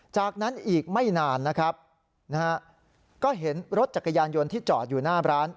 จากนั้นอีกไม่นานนะครับนะฮะก็เห็นรถจักรยานยนต์ที่จอดอยู่หน้าร้าน